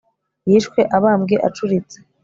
yishwe abambwe acuritse